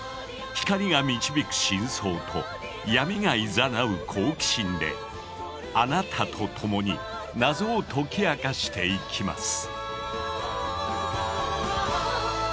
光が導く真相と闇がいざなう好奇心であなたと共に謎を解き明かしていきます。